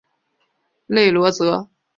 勒罗泽。